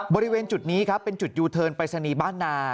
บริเวณจุดนี้ครับเป็นจุดยูเทิร์นปรายศนีย์บ้านนา